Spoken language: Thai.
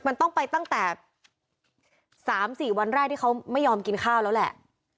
มันต้องไปตั้งแต่๓๔วันแรกที่เขาไม่ยอมกินข้าวแล้วแหละ